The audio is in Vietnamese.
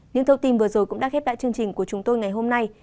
những thông tin vừa rồi cũng đã khép lại chương trình của chúng tôi ngày hôm nay